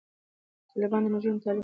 طالبانو د نجونو تعلیم بند کړی دی.